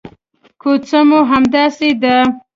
کوڅه مو همداسې ده.